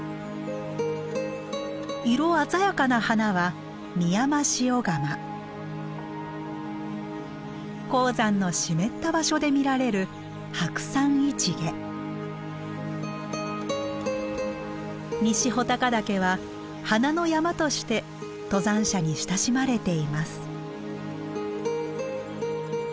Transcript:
色鮮やかな花は高山の湿った場所で見られる西穂高岳は「花の山」として登山者に親しまれています。